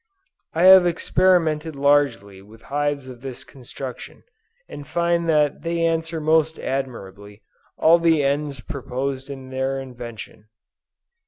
I have experimented largely with hives of this construction, and find that they answer most admirably, all the ends proposed in their invention.